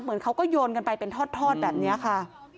เหมือนเขาก็โยนกันไปเป็นทอดแบบนี้ค่ะ